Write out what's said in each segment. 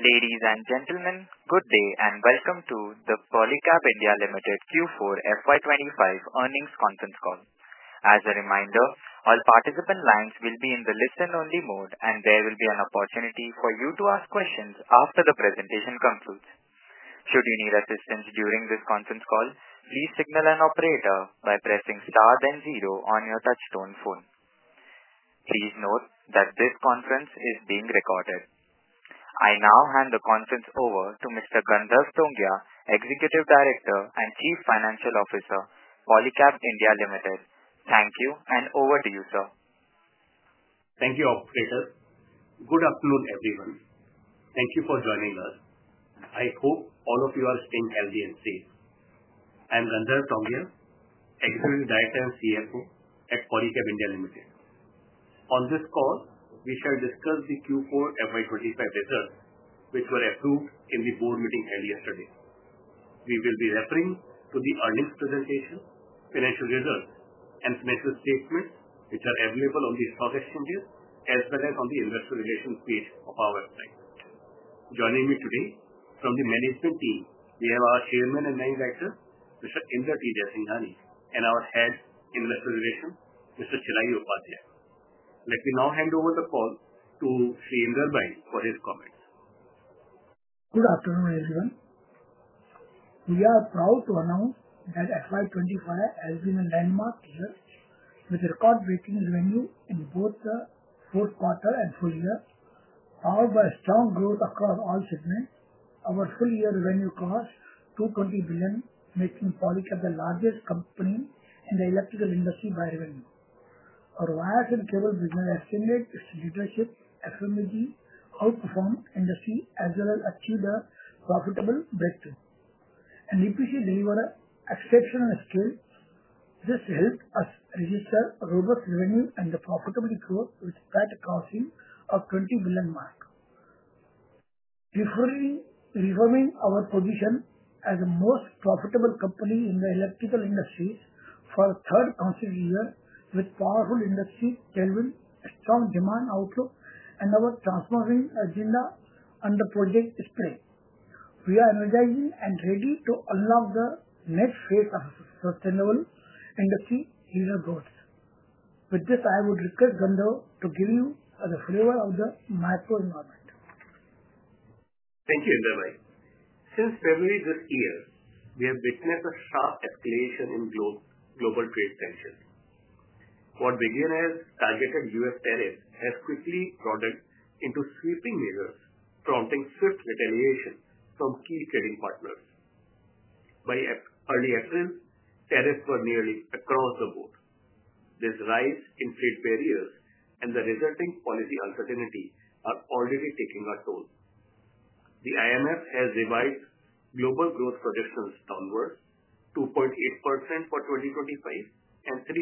Ladies and gentlemen, good day and welcome to the Polycab India Limited Q4 FY 2025 earnings conference call. As a reminder, all participant lines will be in the listen-only mode, and there will be an opportunity for you to ask questions after the presentation concludes. Should you need assistance during this conference call, please signal an operator by pressing star then zero on your touchtone phone. Please note that this conference is being recorded. I now hand the conference over to Mr. Gandharv Tongia, Executive Director and Chief Financial Officer, Polycab India Limited. Thank you, and over to you, sir. Thank you, operator. Good afternoon, everyone. Thank you for joining us. I hope all of you are staying healthy and safe. I am Gandharv Tongia, Executive Director and CFO at Polycab India Limited. On this call, we shall discuss the Q4 FY 2025 results, which were approved in the board meeting held yesterday. We will be referring to the earnings presentation, financial results, and financial statements, which are available on the stock exchanges as well as on the investor relations page of our website. Joining me today from the management team, we have our Chairman and Managing Director, Mr. Inder T Jaisinghani, and our Head of Investor Relations, Mr. Chirayu Upadhyaya. Let me now hand over the call to Sir Inder for his comments. Good afternoon, everyone. We are proud to announce that FY 2025 has been a landmark year with record-breaking revenue in both the fourth quarter and full year, powered by strong growth across all segments. Our full-year revenue crossed 220 billion, making Polycab the largest company in the electrical industry by revenue. Our wires and cable business estimates its leadership, FMEG outperformed industry as well as achieved a profitable breakthrough. EPC delivered exceptional scale. This helped us register robust revenue and profitability growth with a credit crossing of INR 20 billion mark, reaffirming our position as the most profitable company in the electrical industry for the third consecutive year with powerful industry tailwind, strong demand outlook, and our transforming agenda under Project Spring. We are energizing and ready to unlock the next phase of sustainable industry growth. With this, I would request Gandharv to give you the flavor of the macro environment. Thank you, Inder bhai. Since February this year, we have witnessed a sharp escalation in global trade tensions. What began as targeted U.S. tariffs has quickly broadened into sweeping measures, prompting swift retaliation from key trading partners. By early April, tariffs were nearly across the board. This rise in trade barriers and the resulting policy uncertainty are already taking a toll. The IMF has revised global growth projections downwards to 2.8% for 2025 and 3%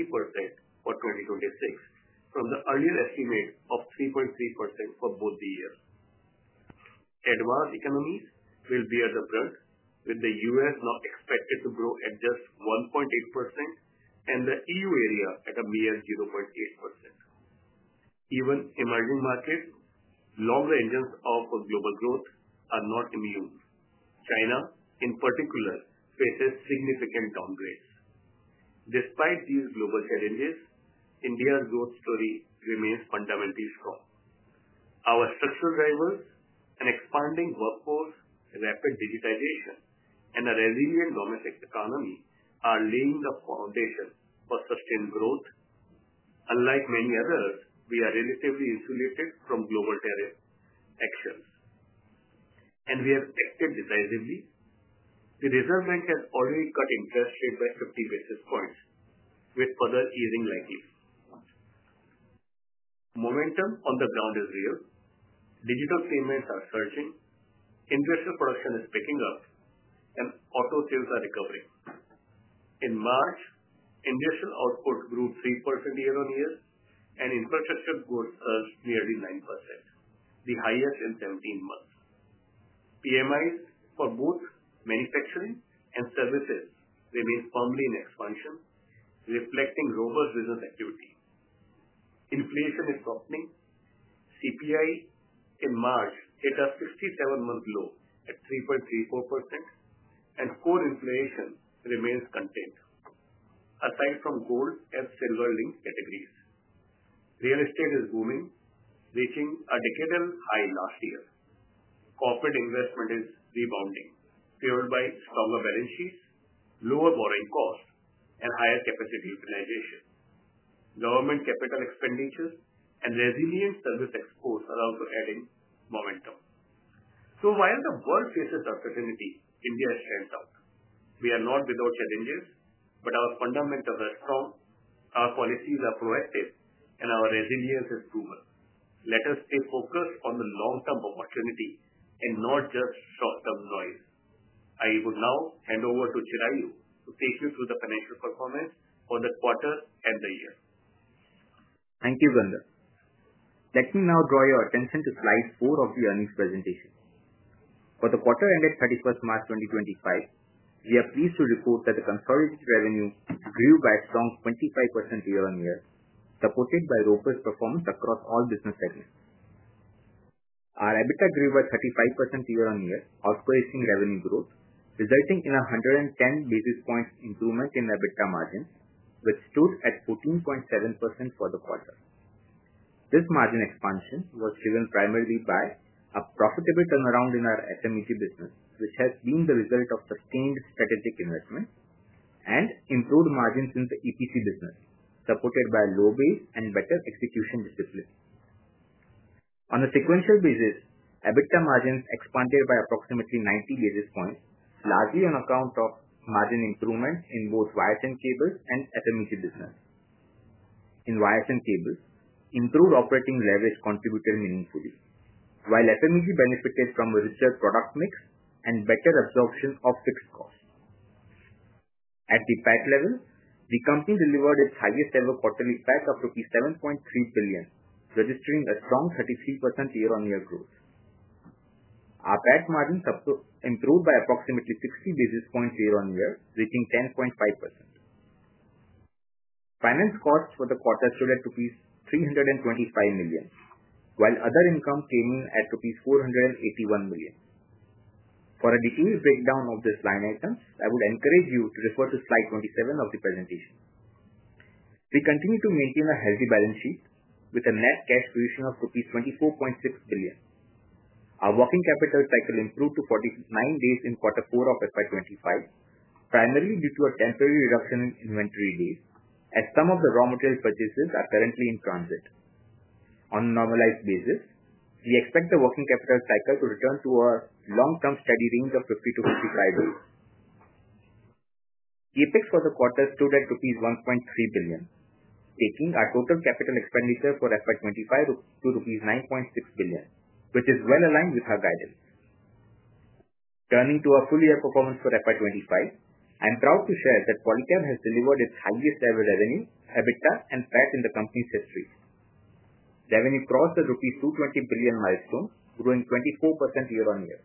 for 2026 from the earlier estimate of 3.3% for both the years. Advanced economies will be at the front, with the U.S. now expected to grow at just 1.8% and the EU area at a mere 0.8%. Even emerging markets, long-rangers of global growth, are not immune. China, in particular, faces significant downgrades. Despite these global challenges, India's growth story remains fundamentally strong. Our structural drivers, an expanding workforce, rapid digitization, and a resilient domestic economy are laying the foundation for sustained growth. Unlike many others, we are relatively insulated from global tariff actions, and we have acted decisively. The Reserve Bank has already cut interest rates by 50 basis points, with further easing likely. Momentum on the ground is real. Digital payments are surging. Industrial production is picking up, and auto sales are recovering. In March, industrial output grew 3% year-on-year, and infrastructure goods surged nearly 9%, the highest in 17 months. PMIs for both manufacturing and services remain firmly in expansion, reflecting robust business activity. Inflation is softening. CPI in March hit a 67-month low at 3.34%, and core inflation remains contained, aside from gold and silver-linked categories. Real estate is booming, reaching a decadal high last year. Corporate investment is rebounding, fueled by stronger balance sheets, lower borrowing costs, and higher capacity utilization. Government capital expenditures and resilient service exports are also adding momentum. While the world faces uncertainty, India stands out. We are not without challenges, but our fundamentals are strong, our policies are proactive, and our resilience is proven. Let us stay focused on the long-term opportunity and not just short-term noise. I would now hand over to Chirayu to take you through the financial performance for the quarter and the year. Thank you, Gandharv. Let me now draw your attention to slide four of the earnings presentation. For the quarter ended 31st March 2025, we are pleased to report that the consolidated revenue grew by a strong 25% year-on-year, supported by robust performance across all business segments. Our EBITDA grew by 35% year-on-year, outpacing revenue growth, resulting in a 110 basis point improvement in EBITDA margins, which stood at 14.7% for the quarter. This margin expansion was driven primarily by a profitable turnaround in our FMEG business, which has been the result of sustained strategic investment and improved margins in the EPC business, supported by a low base and better execution discipline. On a sequential basis, EBITDA margins expanded by approximately 90 basis points, largely on account of margin improvements in both wires and cables and FMEG business. In wires and cables, improved operating leverage contributed meaningfully, while FMEG benefited from a richer product mix and better absorption of fixed costs. At the PAT level, the company delivered its highest-ever quarterly PAT of INR 7.3 billion, registering a strong 33% year-on-year growth. Our PAT margins improved by approximately 60 basis points year-on-year, reaching 10.5%. Finance costs for the quarter stood at 325 million rupees, while other income came in at rupees 481 million. For a detailed breakdown of these line items, I would encourage you to refer to slide 27 of the presentation. We continue to maintain a healthy balance sheet with a net cash position of INR 24.6 billion. Our working capital cycle improved to 49 days in quarter four of FY 2025, primarily due to a temporary reduction in inventory days as some of the raw material purchases are currently in transit. On a normalized basis, we expect the working capital cycle to return to a long-term steady range of 50-55 days. The CapEx for the quarter stood at rupees 1.3 billion, taking our total capital expenditure for FY2025 to rupees 9.6 billion, which is well aligned with our guidance. Turning to our full-year performance for FY 2025, I am proud to share that Polycab has delivered its highest-ever revenue, EBITDA, and PAT in the company's history. Revenue crossed the rupees 220 billion milestone, growing 24% year-on-year.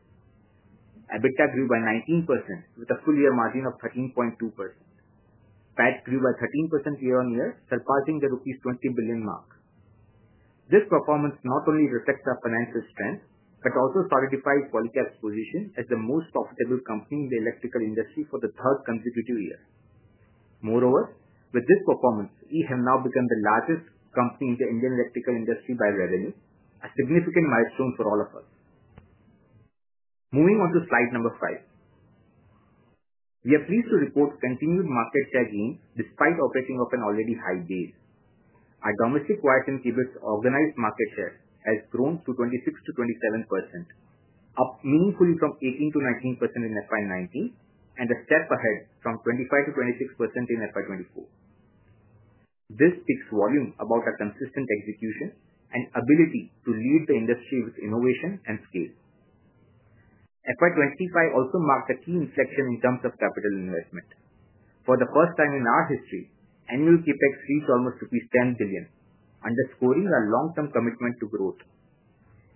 EBITDA grew by 19%, with a full-year margin of 13.2%. PAT grew by 13% year-on-year, surpassing the rupees 20 billion mark. This performance not only reflects our financial strength but also solidifies Polycab's position as the most profitable company in the electrical industry for the third consecutive year. Moreover, with this performance, we have now become the largest company in the Indian electrical industry by revenue, a significant milestone for all of us. Moving on to slide number five, we are pleased to report continued market share gains despite operating off an already high base. Our domestic wires and cables organized market share has grown to 26%-27%, up meaningfully from 18%-19% in FY 2019 and a step ahead from 25%-26% in FY 2024. This speaks volumes about our consistent execution and ability to lead the industry with innovation and scale. FY 2025 also marked a key inflection in terms of capital investment. For the first time in our history, annual capex reached almost 10 billion, underscoring our long-term commitment to growth.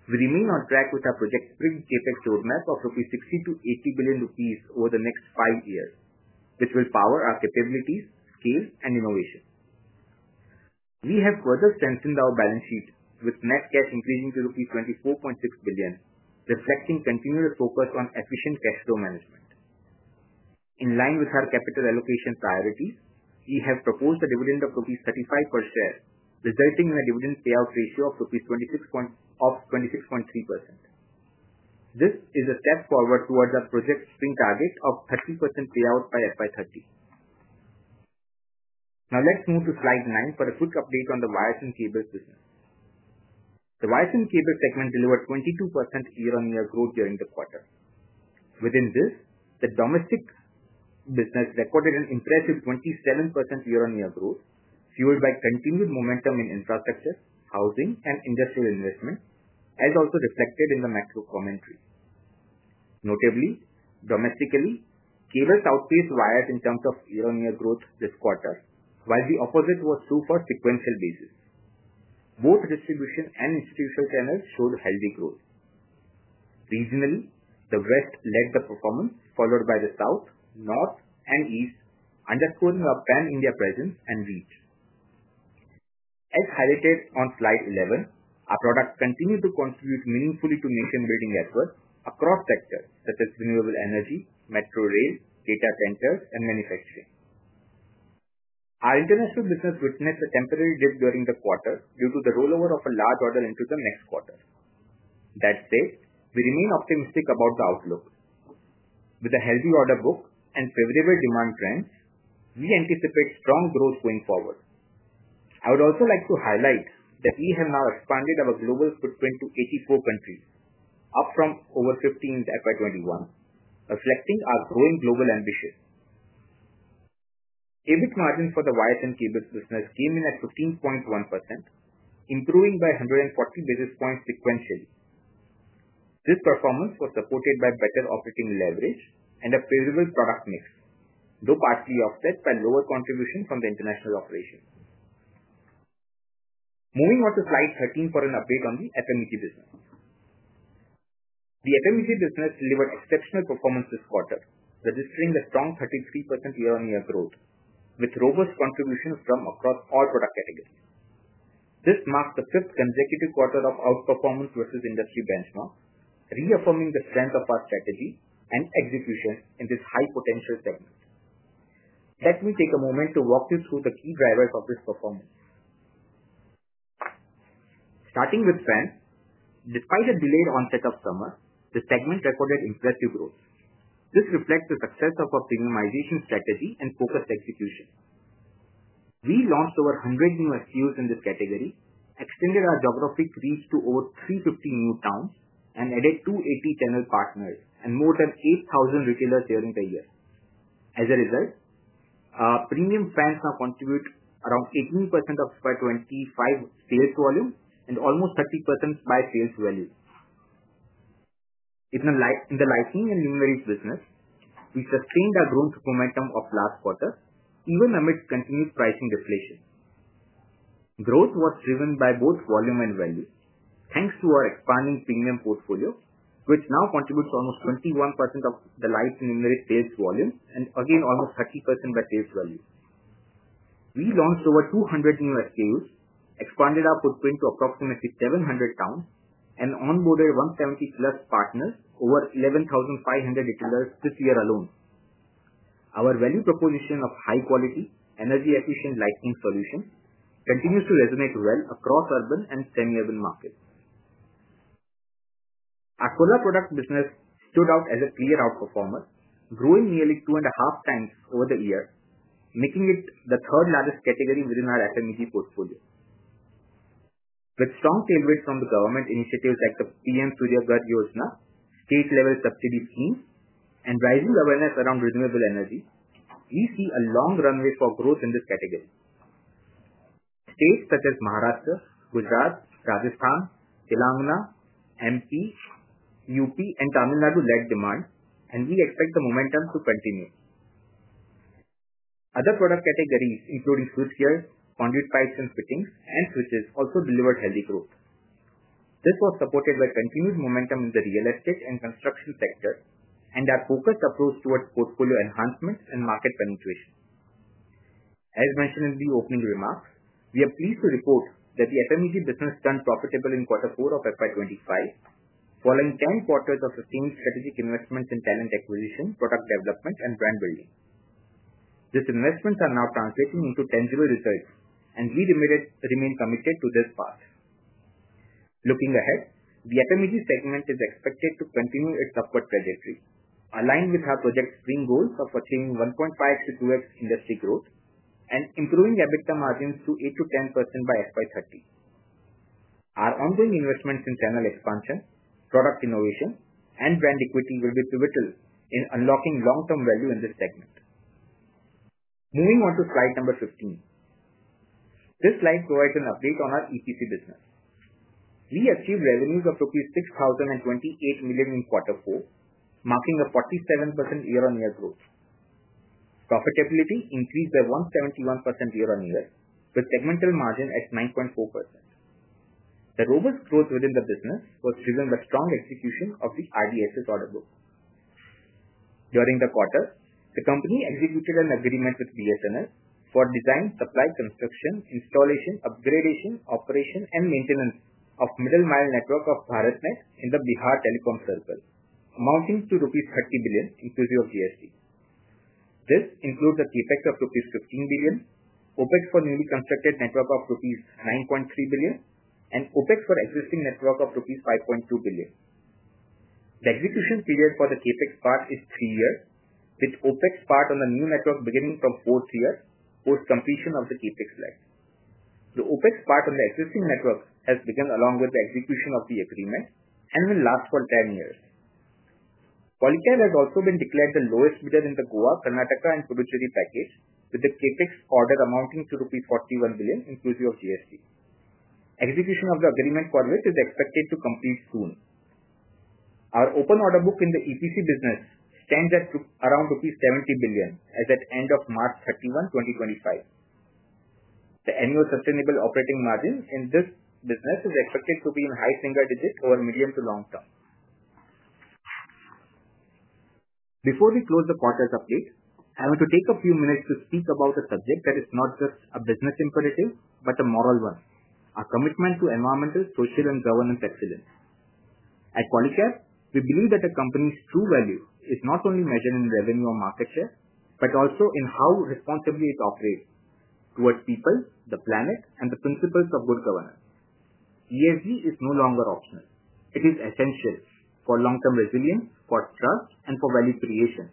We remain on track with our project-spread CapEx roadmap of 60 billion-80 billion rupees over the next five years, which will power our capabilities, scale, and innovation. We have further strengthened our balance sheet with net cash increasing to rupees 24.6 billion, reflecting continuous focus on efficient cash flow management. In line with our capital allocation priorities, we have proposed a dividend of rupees 35 per share, resulting in a dividend payout ratio of 26.3%. This is a step forward towards our Project Spring target of 30% payout by FY 2030. Now let's move to slide nine for a quick update on the wires and cables business. The wires and cables segment delivered 22% year-on-year growth during the quarter. Within this, the domestic business recorded an impressive 27% year-on-year growth, fueled by continued momentum in infrastructure, housing, and industrial investment, as also reflected in the macro commentary. Notably, domestically, cables outpaced wires in terms of year-on-year growth this quarter, while the opposite was true for sequential basis. Both distribution and institutional channels showed healthy growth. Regionally, the West led the performance, followed by the South, North, and East, underscoring our pan-India presence and reach. As highlighted on slide 11, our products continue to contribute meaningfully to nation-building efforts across sectors such as renewable energy, metro rail, data centers, and manufacturing. Our international business witnessed a temporary dip during the quarter due to the rollover of a large order into the next quarter. That said, we remain optimistic about the outlook. With a healthy order book and favorable demand trends, we anticipate strong growth going forward. I would also like to highlight that we have now expanded our global footprint to 84 countries, up from over 15 in FY 2021, reflecting our growing global ambition. EBIT margins for the wires and cables business came in at 15.1%, improving by 140 basis points sequentially. This performance was supported by better operating leverage and a favorable product mix, though partly offset by lower contribution from the international operations. Moving on to slide 13 for an update on the FMEG business. The FMEG business delivered exceptional performance this quarter, registering a strong 33% year-on-year growth, with robust contributions from across all product categories. This marks the fifth consecutive quarter of outperformance versus industry benchmark, reaffirming the strength of our strategy and execution in this high-potential segment. Let me take a moment to walk you through the key drivers of this performance. Starting with fans, despite a delayed onset of summer, the segment recorded impressive growth. This reflects the success of our premiumization strategy and focused execution. We launched over 100 new SKUs in this category, extended our geographic reach to over 350 new towns, and added 280 channel partners and more than 8,000 retailers during the year. As a result, our premium fans now contribute around 18% of FY 2025 sales volume and almost 30% by sales value. In the lighting and luminaire business, we sustained our growth momentum of last quarter, even amidst continued pricing deflation. Growth was driven by both volume and value, thanks to our expanding premium portfolio, which now contributes almost 21% of the lighting and luminaire sales volume and again almost 30% by sales value. We launched over 200 new SKUs, expanded our footprint to approximately 700 towns, and onboarded 170+ partners over 11,500 retailers this year alone. Our value proposition of high-quality, energy-efficient lighting solutions continues to resonate well across urban and semi-urban markets. Our solar product business stood out as a clear outperformer, growing nearly two and a half times over the year, making it the third-largest category within our FMEG portfolio. With strong tailwinds from government initiatives like the PM Surya Ghar Yojana, state-level subsidy schemes, and rising awareness around renewable energy, we see a long runway for growth in this category. States such as Maharashtra, Gujarat, Rajasthan, Telangana, MP, UP, and Tamil Nadu led demand, and we expect the momentum to continue. Other product categories, including switchgears, conduit pipes and fittings, and switches, also delivered healthy growth. This was supported by continued momentum in the real estate and construction sectors and our focused approach towards portfolio enhancements and market penetration. As mentioned in the opening remarks, we are pleased to report that the FMEG business turned profitable in quarter four of FY 2025, following 10 quarters of sustained strategic investments in talent acquisition, product development, and brand building. These investments are now translating into tangible results, and we remain committed to this path. Looking ahead, the FMEG segment is expected to continue its upward trajectory, aligned with our Project Spring goals of achieving 1.5x-2x industry growth and improving EBITDA margins to 8%-10% by FY 2030. Our ongoing investments in channel expansion, product innovation, and brand equity will be pivotal in unlocking long-term value in this segment. Moving on to slide number 15, this slide provides an update on our EPC business. We achieved revenues of INR 6,028 million in quarter four, marking a 47% year-on-year growth. Profitability increased by 171% year-on-year, with segmental margin at 9.4%. The robust growth within the business was driven by strong execution of the RDSS order book. During the quarter, the company executed an agreement with BSNL for design, supply, construction, installation, upgradation, operation, and maintenance of middle mile network of BharatNet in the Bihar Telecom Circle, amounting to rupees 30 billion inclusive of GST. This includes the capex of rupees 15 billion, OpEx for newly constructed network of rupees 9.3 billion, and OpEx for existing network of rupees 5.2 billion. The execution period for the capex part is three years, with OpEx part on the new network beginning from fourth year post-completion of the capex slide. The OpEx part on the existing network has begun along with the execution of the agreement and will last for 10 years. Polycab has also been declared the lowest bidder in the Goa, Karnataka, and Puducherry package, with the capex order amounting to rupees 41 billion inclusive of GST. Execution of the agreement for which is expected to complete soon. Our open order book in the EPC business stands at around 70 billion rupees as at end of March 31, 2025. The annual sustainable operating margin in this business is expected to be in high single digits over medium to long term. Before we close the quarter's update, I want to take a few minutes to speak about a subject that is not just a business imperative but a moral one: our commitment to environmental, social, and governance excellence. At Polycab, we believe that a company's true value is not only measured in revenue or market share but also in how responsibly it operates towards people, the planet, and the principles of good governance. ESG is no longer optional. It is essential for long-term resilience, for trust, and for value creation.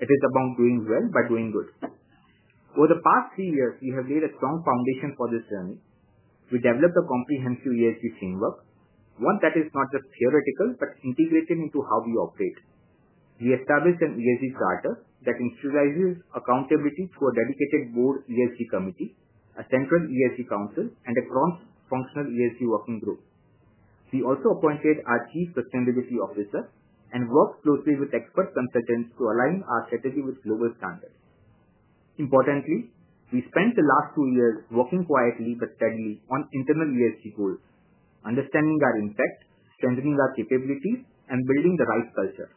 It is about doing well by doing good. Over the past three years, we have laid a strong foundation for this journey. We developed a comprehensive ESG framework, one that is not just theoretical but integrated into how we operate. We established an ESG charter that institutionalizes accountability through a dedicated board ESG committee, a central ESG council, and a cross-functional ESG working group. We also appointed our Chief Sustainability Officer and worked closely with expert consultants to align our strategy with global standards. Importantly, we spent the last two years working quietly but steadily on internal ESG goals, understanding our impact, strengthening our capabilities, and building the right culture.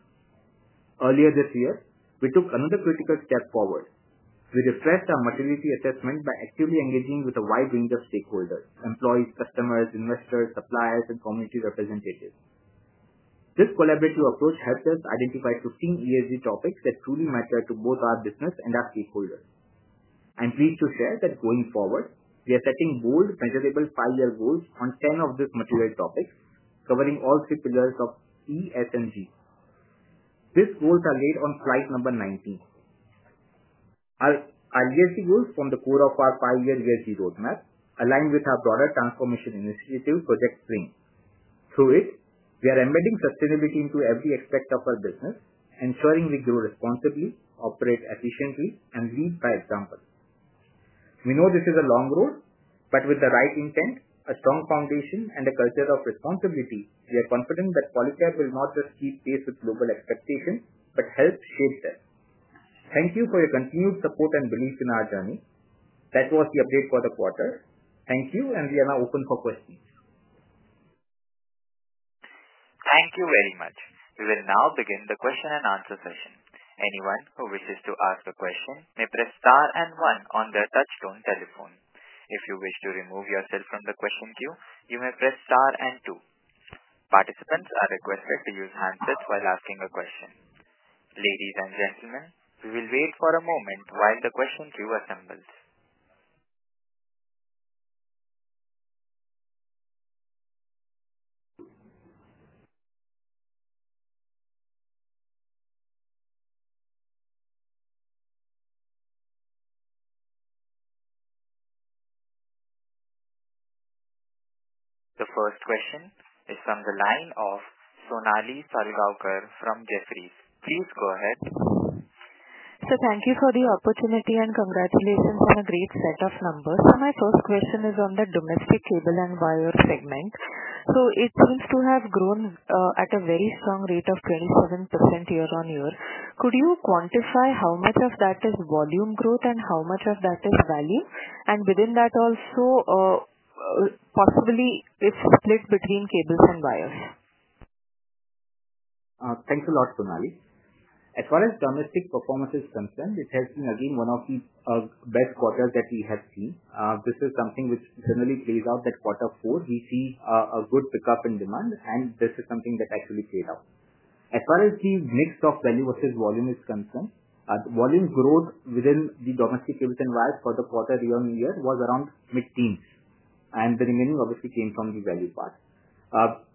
Earlier this year, we took another critical step forward. We refreshed our materiality assessment by actively engaging with a wide range of stakeholders: employees, customers, investors, suppliers, and community representatives. This collaborative approach helped us identify 15 ESG topics that truly matter to both our business and our stakeholders. I'm pleased to share that going forward, we are setting bold, measurable five-year goals on 10 of these material topics, covering all three pillars of E, S, and G. These goals are laid on slide number 19. Our ESG goals form the core of our five-year ESG roadmap, aligned with our broader transformation initiative, Project Spring. Through it, we are embedding sustainability into every aspect of our business, ensuring we grow responsibly, operate efficiently, and lead by example. We know this is a long road, but with the right intent, a strong foundation, and a culture of responsibility, we are confident that Polycab will not just keep pace with global expectations but help shape them. Thank you for your continued support and belief in our journey. That was the update for the quarter. Thank you, and we are now open for questions. Thank you very much. We will now begin the question-and-answer session. Anyone who wishes to ask a question may press star and one on their touchstone telephone. If you wish to remove yourself from the question queue, you may press star and two. Participants are requested to use handsets while asking a question. Ladies and gentlemen, we will wait for a moment while the question queue assembles. The first question is from the line of Sonali Salgaonkar from Jefferies. Please go ahead. Thank you for the opportunity and congratulations on a great set of numbers. My first question is on the domestic cable and wire segment. It seems to have grown at a very strong rate of 27% year-on-year. Could you quantify how much of that is volume growth and how much of that is value? And within that also, possibly its split between cables and wires. Thanks a lot, Sonali. As far as domestic performance is concerned, it has been again one of the best quarters that we have seen. This is something which generally plays out that quarter four, we see a good pickup in demand, and this is something that actually played out. As far as the mix of value versus volume is concerned, volume growth within the domestic cables and wires for the quarter year-on-year was around mid-teens, and the remaining obviously came from the value part.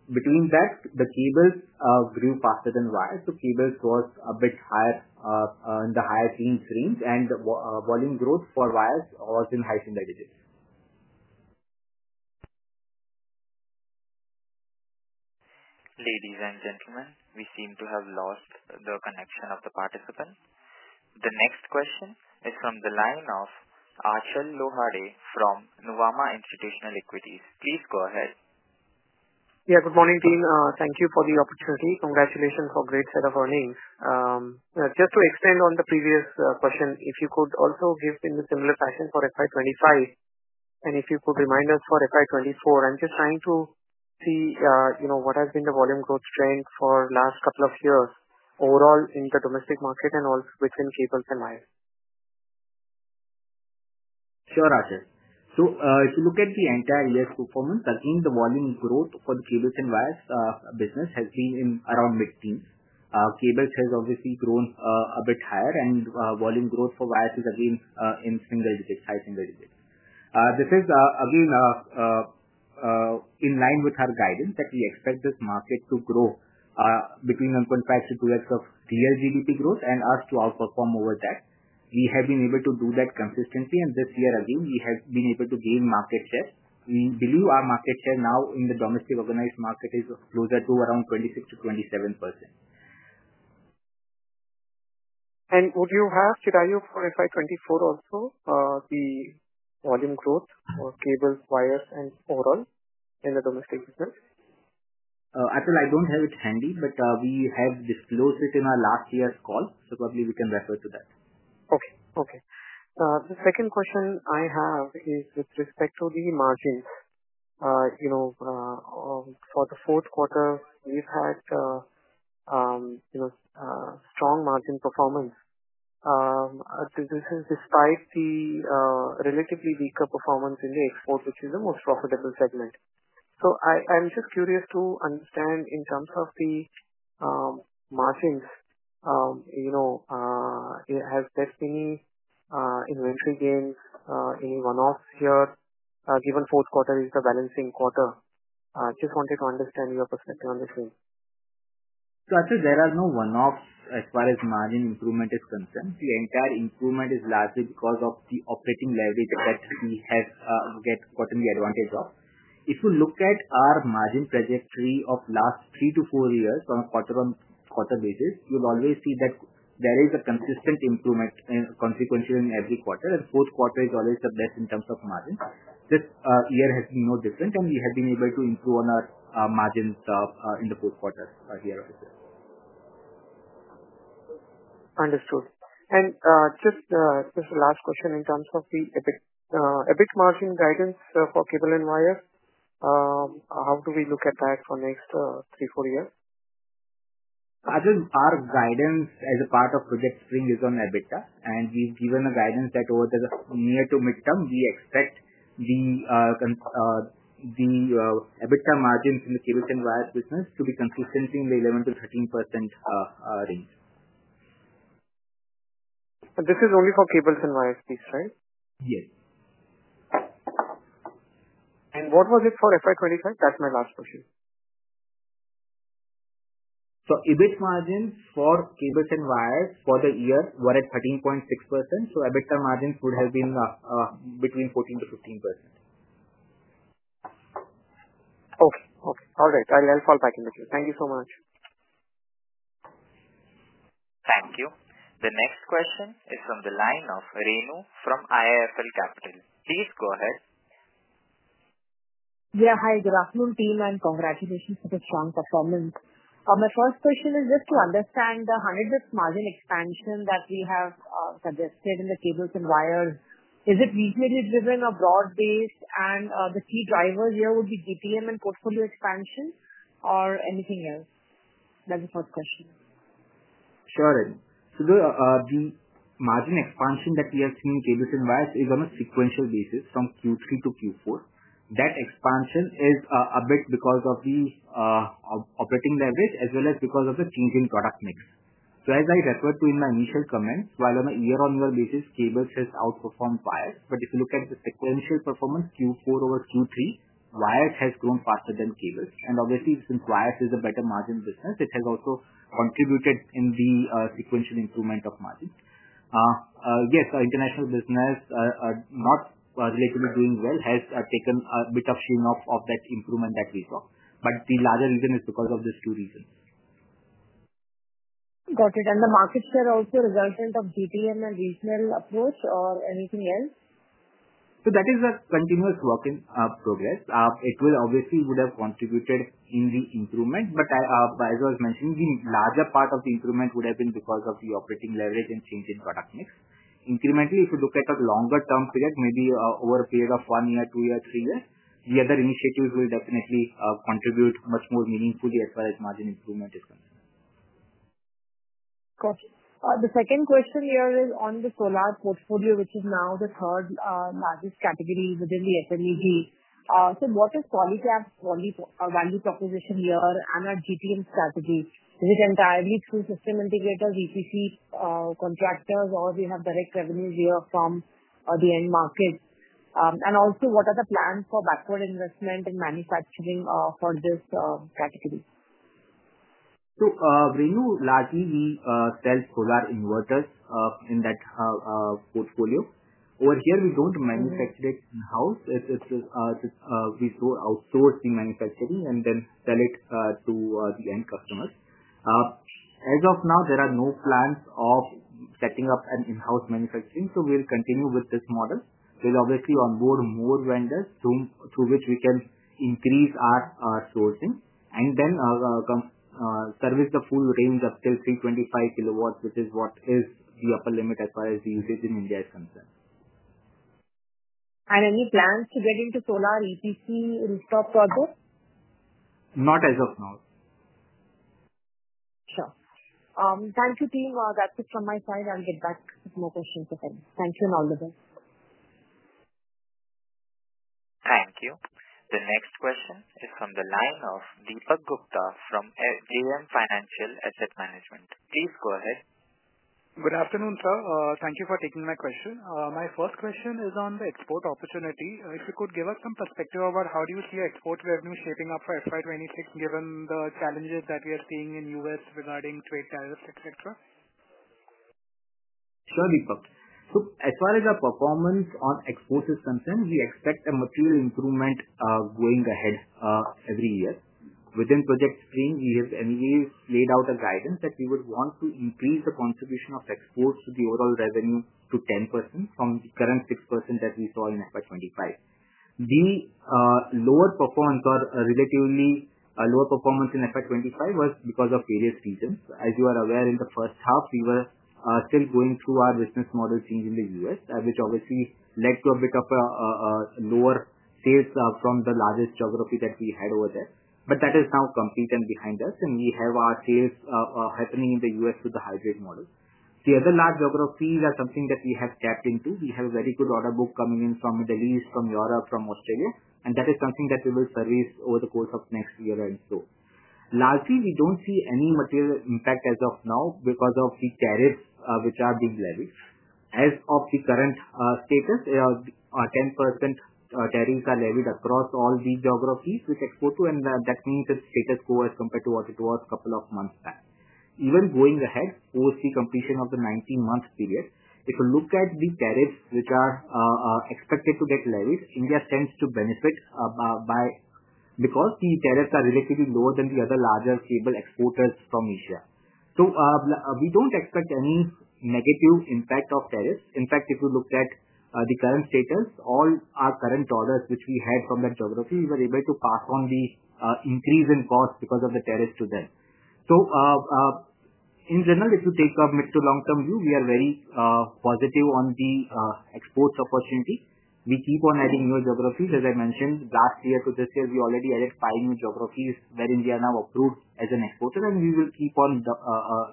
Between that, the cables grew faster than wires, so cables was a bit higher in the higher teens range, and volume growth for wires was in high single digits. Ladies and gentlemen, we seem to have lost the connection of the participants. The next question is from the line of Achal Lohade from Nuvama Institutional Equities. Please go ahead. Yeah, good morning, team. Thank you for the opportunity. Congratulations for a great set of earnings. Just to extend on the previous question, if you could also give in the similar fashion for FY 2025, and if you could remind us for FY 2024. I'm just trying to see what has been the volume growth trend for the last couple of years overall in the domestic market and also within cables and wires. Sure, Achal. If you look at the entire year's performance, again, the volume growth for the cables and wires business has been around mid-teens. Cables has obviously grown a bit higher, and volume growth for wires is again in single digits, high single digits. This is again in line with our guidance that we expect this market to grow between 1.5x-2x of real GDP growth and us to outperform over that. We have been able to do that consistently, and this year again, we have been able to gain market share. We believe our market share now in the domestic organized market is closer to around 26%-27%. I would have to tell you for FY 2024 also the volume growth for cables, wires, and overall in the domestic business. Achal, I do not have it handy, but we have disclosed it in our last year's call, so probably we can refer to that. Okay, okay. The second question I have is with respect to the margins. For the fourth quarter, we have had strong margin performance. This is despite the relatively weaker performance in the export, which is the most profitable segment. I'm just curious to understand in terms of the margins, has there been any inventory gains, any one-offs here? Given fourth quarter is the balancing quarter, I just wanted to understand your perspective on this one. Achal, there are no one-offs as far as margin improvement is concerned. The entire improvement is largely because of the operating leverage that we have gotten the advantage of. If you look at our margin trajectory of the last three to four years on a quarter-on-quarter basis, you'll always see that there is a consistent improvement consequential in every quarter, and fourth quarter is always the best in terms of margins. This year has been no different, and we have been able to improve on our margins in the fourth quarter here as well. Understood. Just this last question in terms of the EBIT margin guidance for cable and wires, how do we look at that for next three to four years? Achal, our guidance as a part of Project Spring is on EBITDA, and we've given a guidance that over the near to mid-term, we expect the EBITDA margins in the cables and wires business to be consistently in the 11%-13% range. This is only for cables and wires, please, right? Yes. What was it for FY 2025? That's my last question. EBIT margins for cables and wires for the year were at 13.6%, so EBITDA margins would have been between 14%-15%. Okay, okay. All right. I'll fall back in the queue. Thank you so much. Thank you. The next question is from the line of Renu from IIFL Capital. Please go ahead. Yeah, hi. Good afternoon, team, and congratulations for the strong performance. My first question is just to understand the 100 basis points margin expansion that we have suggested in the cables and wires. Is it regionally driven or broad-based? The key drivers here would be GTM and portfolio expansion or anything else? That's the first question. Sure, Renu. The margin expansion that we have seen in cables and wires is on a sequential basis from Q3 to Q4. That expansion is a bit because of the operating leverage as well as because of the changing product mix. As I referred to in my initial comments, while on a year-on-year basis, cables has outperformed wires, but if you look at the sequential performance Q4 over Q3, wires has grown faster than cables. Obviously, since wires is a better margin business, it has also contributed in the sequential improvement of margins. Yes, our international business, not particularly doing well, has taken a bit of sheen off of that improvement that we saw. The larger reason is because of these two reasons. Got it. The market share also resultant of GTM and regional approach or anything else? That is a continuous work in progress. It will obviously have contributed in the improvement, but as I was mentioning, the larger part of the improvement would have been because of the operating leverage and change in product mix. Incrementally, if you look at a longer term period, maybe over a period of one year, two years, three years, the other initiatives will definitely contribute much more meaningfully as far as margin improvement is concerned. Got it. The second question here is on the solar portfolio, which is now the third largest category within the FMEG. What is Polycab's value proposition here and our GTM strategy? Is it entirely through system integrators, EPC contractors, or do you have direct revenues here from the end market? Also, what are the plans for backward investment and manufacturing for this category? Renu largely sells solar inverters in that portfolio. Over here, we do not manufacture it in-house. We outsource the manufacturing and then sell it to the end customers. As of now, there are no plans of setting up an in-house manufacturing, so we will continue with this model. We will obviously onboard more vendors through which we can increase our sourcing and then service the full range up till 325 kW, which is what is the upper limit as far as the usage in India is concerned. Any plans to get into solar EPC rooftop projects? Not as of now. Sure. Thank you, team. That's it from my side. I'll get back with more questions if I need. Thank you and all the best. Thank you. The next question is from the line of Deepak Gupta from JM Financial Asset Management. Please go ahead. Good afternoon, sir. Thank you for taking my question. My first question is on the export opportunity. If you could give us some perspective about how do you see export revenue shaping up for FY 2026 given the challenges that we are seeing in the US regarding trade tariffs, etc.? Sure, Deepak. As far as our performance on exports is concerned, we expect a material improvement going ahead every year. Within Project Spring, we have laid out a guidance that we would want to increase the contribution of exports to the overall revenue to 10% from the current 6% that we saw in FY 2025.The lower performance or relatively lower performance in FY 2025 was because of various reasons. As you are aware, in the first half, we were still going through our business model change in the U.S., which obviously led to a bit of a lower sales from the largest geography that we had over there. That is now complete and behind us, and we have our sales happening in the U.S. with the hybrid model. The other large geographies are something that we have tapped into. We have a very good order book coming in from the Middle East, from Europe, from Australia, and that is something that we will service over the course of next year and so. Lastly, we do not see any material impact as of now because of the tariffs which are being leveraged. As of the current status, 10% tariffs are leveraged across all the geographies which export to, and that means its status quo as compared to what it was a couple of months back. Even going ahead post the completion of the 19-month period, if you look at the tariffs which are expected to get leveraged, India tends to benefit because the tariffs are relatively lower than the other larger cable exporters from Asia. We do not expect any negative impact of tariffs. In fact, if you looked at the current status, all our current orders which we had from that geography, we were able to pass on the increase in cost because of the tariffs to them. In general, if you take a mid to long-term view, we are very positive on the exports opportunity. We keep on adding new geographies. As I mentioned, last year to this year, we already added five new geographies where India now approved as an exporter, and we will keep on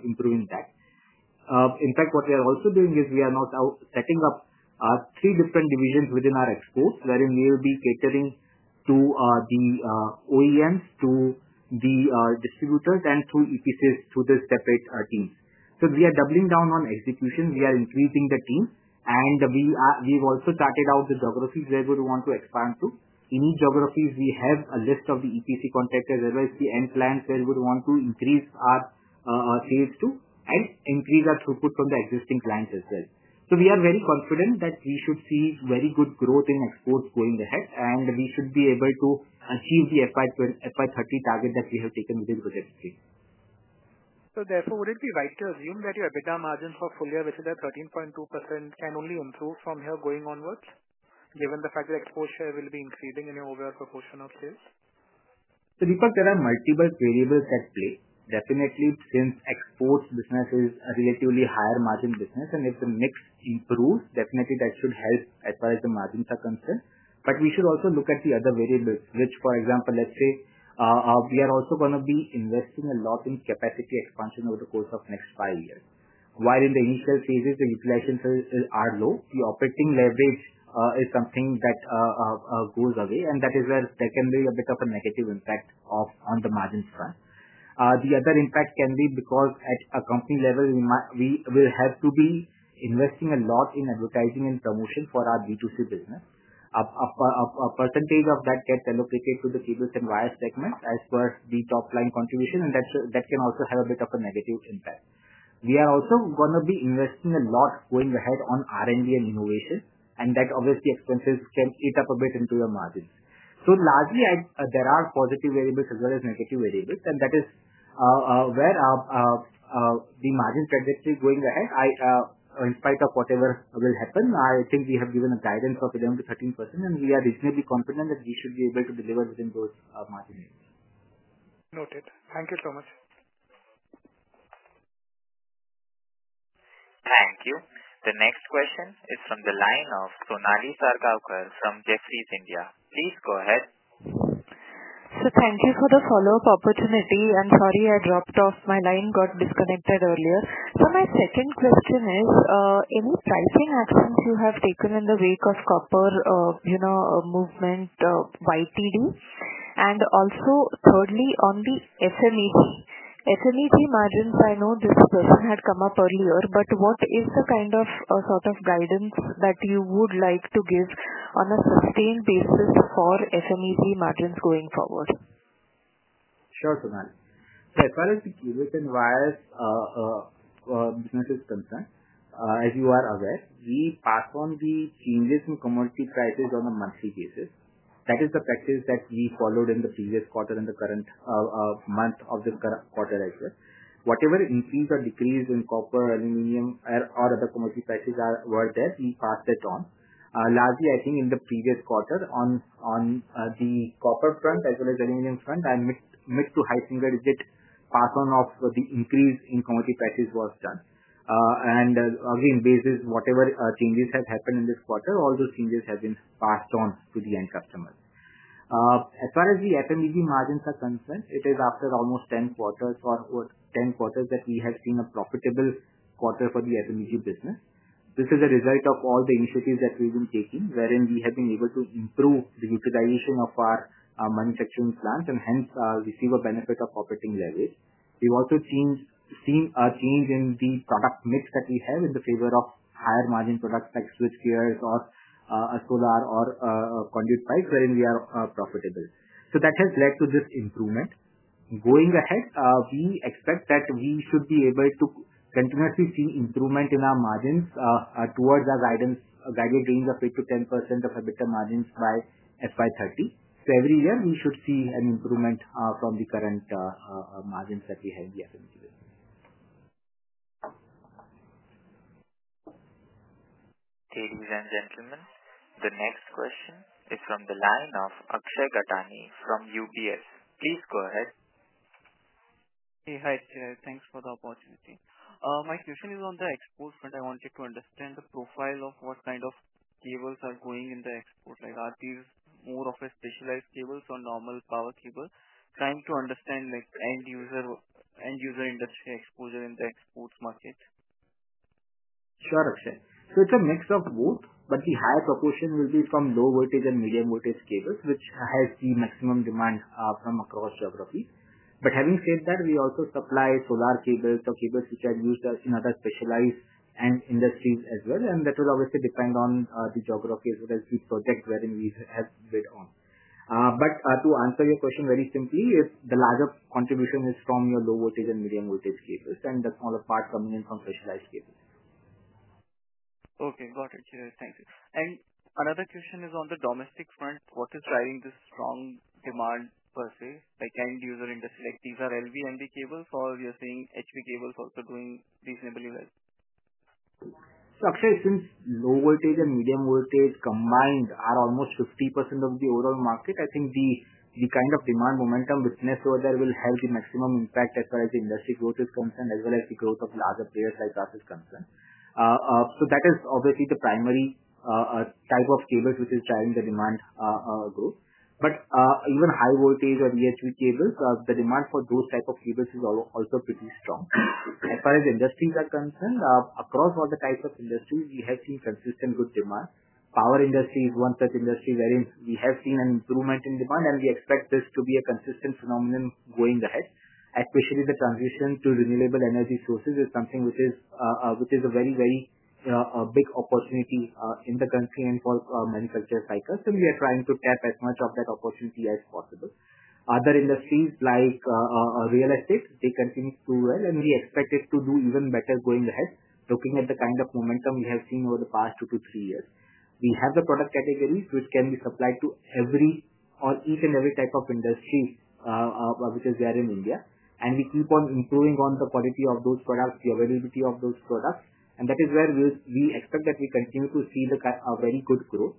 improving that. In fact, what we are also doing is we are now setting up three different divisions within our exports wherein we will be catering to the OEMs, to the distributors, and through EPCs to the separate teams. We are doubling down on execution. We are increasing the team, and we've also carted out the geographies where we would want to expand to. In each geography, we have a list of the EPC contractors as well as the end clients where we would want to increase our sales to and increase our throughput from the existing clients as well. We are very confident that we should see very good growth in exports going ahead, and we should be able to achieve the FY 2030 target that we have taken within Project Spring. Therefore, would it be right to assume that your EBITDA margin portfolio, which is at 13.2%, can only improve from here going onwards given the fact that export share will be increasing in your overall proportion of sales? Deepak, there are multiple variables at play. Definitely, since exports business is a relatively higher margin business, and if the mix improves, definitely that should help as far as the margins are concerned. We should also look at the other variables, which, for example, let's say we are also going to be investing a lot in capacity expansion over the course of the next five years. While in the initial phases, the utilizations are low, the operating leverage is something that goes away, and that is where there can be a bit of a negative impact on the margins front. The other impact can be because at a company level, we will have to be investing a lot in advertising and promotion for our B2C business. A percentage of that gets allocated to the cables and wires segment as per the top line contribution, and that can also have a bit of a negative impact. We are also going to be investing a lot going ahead on R&D and innovation, and that obviously expenses can eat up a bit into your margins. Largely, there are positive variables as well as negative variables, and that is where the margin trajectory going ahead, in spite of whatever will happen, I think we have given a guidance of 11%-13%, and we are reasonably confident that we should be able to deliver within those margins. Noted. Thank you so much. Thank you. The next question is from the line of Sonali Salgaonkar from Jefferies India. Please go ahead. Thank you for the follow-up opportunity. I'm sorry I dropped off. My line got disconnected earlier. My second question is, any pricing actions you have taken in the wake of copper movement, YTD? Also, thirdly, on the FMEG margins, I know this question had come up earlier, but what is the kind of sort of guidance that you would like to give on a sustained basis for FMEG margins going forward? Sure, Sonali. As far as the cables and wires business is concerned, as you are aware, we pass on the changes in commodity prices on a monthly basis. That is the practice that we followed in the previous quarter and the current month of the quarter as well. Whatever increase or decrease in copper, aluminum, or other commodity prices were there, we passed it on. Largely, I think in the previous quarter, on the copper front as well as aluminum front, a mid to high single-digit pass-on of the increase in commodity prices was done. Again, basis whatever changes have happened in this quarter, all those changes have been passed on to the end customers. As far as the FMEG margins are concerned, it is after almost 10 quarters or 10 quarters that we have seen a profitable quarter for the FMEG business. This is a result of all the initiatives that we've been taking wherein we have been able to improve the utilization of our manufacturing plants and hence receive a benefit of operating leverage. We've also seen a change in the product mix that we have in the favor of higher margin products like switchgears or solar or conduit pipes wherein we are profitable. That has led to this improvement. Going ahead, we expect that we should be able to continuously see improvement in our margins towards our guided range of 8%-10% of EBITDA margins by FY 2030. Every year, we should see an improvement from the current margins that we have in the FMEG business. Ladies and gentlemen, the next question is from the line of Akshay Gattani from UBS. Please go ahead. Hey, Akshay. Thanks for the opportunity. My question is on the export front. I wanted to understand the profile of what kind of cables are going in the export. Are these more of a specialized cables or normal power cable? Trying to understand end-user industry exposure in the exports market. Sure, Akshay. It is a mix of both, but the higher proportion will be from low-voltage and medium-voltage cables, which has the maximum demand from across geographies. Having said that, we also supply solar cables, the cables which are used in other specialized industries as well, and that will obviously depend on the geography as well as the project wherein we have bid on. To answer your question very simply, the larger contribution is from your low-voltage and medium-voltage cables, and that is not a part coming in from specialized cables. Okay. Got it. Thank you. Another question is on the domestic front. What is driving this strong demand per se, like end-user industry? These are LVMV cables, or you're seeing HV cables also doing reasonably well? Akshay, since low-voltage and medium-voltage combined are almost 50% of the overall market, I think the kind of demand momentum witnessed over there will have the maximum impact as far as the industry growth is concerned as well as the growth of larger players like us is concerned. That is obviously the primary type of cables which is driving the demand growth. Even high-voltage or EHV cables, the demand for those types of cables is also pretty strong. As far as industries are concerned, across all the types of industries, we have seen consistent good demand. Power industry is one such industry wherein we have seen an improvement in demand, and we expect this to be a consistent phenomenon going ahead. Especially the transition to renewable energy sources is something which is a very, very big opportunity in the country and for manufacturer cycles, and we are trying to tap as much of that opportunity as possible. Other industries like real estate, they continue to do well, and we expect it to do even better going ahead, looking at the kind of momentum we have seen over the past two to three years. We have the product categories which can be supplied to every or each and every type of industry which is there in India, and we keep on improving on the quality of those products, the availability of those products, and that is where we expect that we continue to see the very good growth.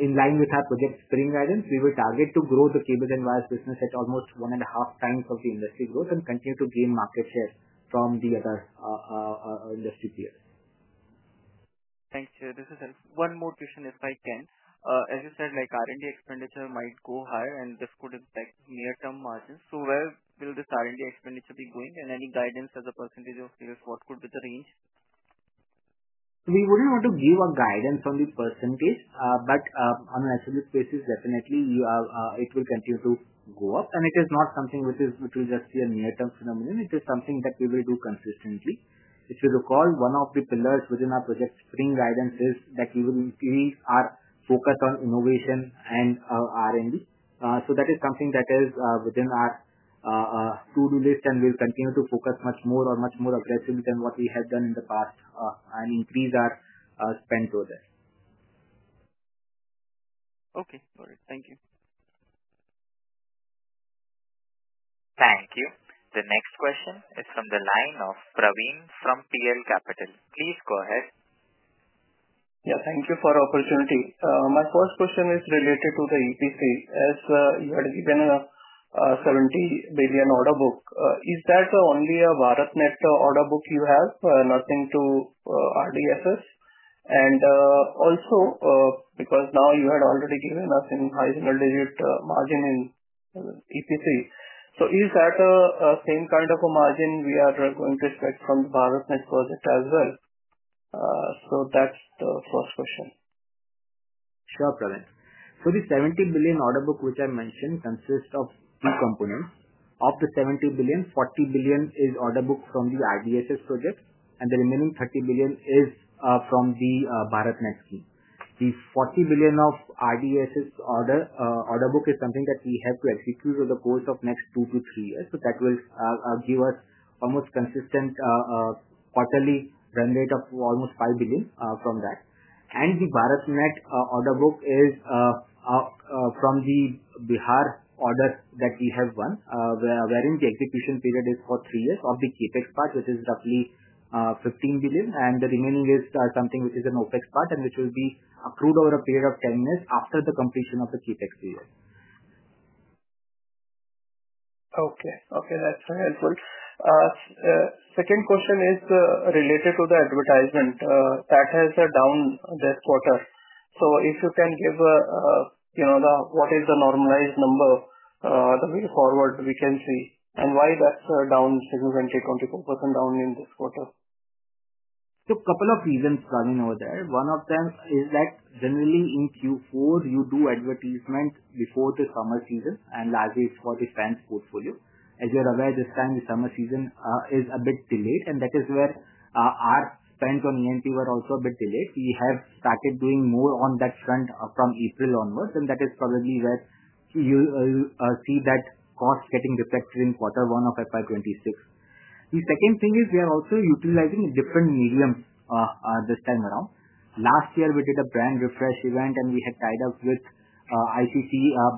In line with our Project Spring guidance, we will target to grow the cables and wires business at almost one and a half times of the industry growth and continue to gain market share from the other industry players. Thank you. This is helpful. One more question, if I can. As you said, R&D expenditure might go higher, and this could impact near-term margins. Where will this R&D expenditure be going, and any guidance as a percentage of sales, what could be the range? We would not want to give a guidance on the percentage, but on an assumed basis, definitely it will continue to go up, and it is not something which we will just see a near-term phenomenon. It is something that we will do consistently. If you recall, one of the pillars within our Project Spring guidance is that we will increase our focus on innovation and R&D. That is something that is within our to-do list, and we'll continue to focus much more or much more aggressively than what we have done in the past and increase our spend over there. Okay. Got it. Thank you. Thank you. The next question is from the line of Praveen from PL Capital. Please go ahead. Yeah. Thank you for the opportunity. My first question is related to the EPC. As you had given a 70 billion order book, is that only a BharatNet order book you have, nothing to RDSS? Also, because now you had already given us a high single-digit margin in EPC, is that the same kind of a margin we are going to expect from the BharatNet project as well? That's the first question. Sure, Praveen. The 70 billion order book which I mentioned consists of three components. Of the 70 billion, 40 billion is order book from the RDSS project, and the remaining 30 billion is from the BharatNet scheme. The 40 billion of RDSS order book is something that we have to execute over the course of the next two to three years, so that will give us almost consistent quarterly run rate of almost 5 billion from that. The BharatNet order book is from the Bihar order that we have won, wherein the execution period is for three years of the Capex part, which is roughly 15 billion, and the remaining is something which is an Opex part and which will be accrued over a period of 10 years after the completion of the Capex period. Okay. Okay. That's very helpful. Second question is related to the advertisement. That has a down this quarter. If you can give what is the normalized number the way forward we can see, and why that's down significantly, 24% down in this quarter? A couple of reasons coming over there. One of them is that generally in Q4, you do advertisement before the summer season, and largely it's for the fans' portfolio. As you're aware, this time the summer season is a bit delayed, and that is where our spend on E&P were also a bit delayed. We have started doing more on that front from April onwards, and that is probably where you see that cost getting reflected in quarter one of FY 2026. The second thing is we are also utilizing a different medium this time around. Last year, we did a brand refresh event, and we had tied up with ICC